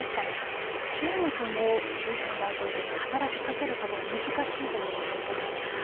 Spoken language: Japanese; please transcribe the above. もそして中国もプーチン大統領に働きかけることが難しいという状況ですね。